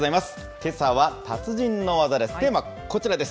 けさは達人の技です。